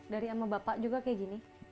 dari sama bapak juga kayak gini